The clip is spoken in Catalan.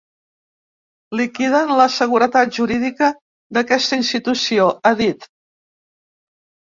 Liquiden la seguretat jurídica d’aquesta institució, ha dit.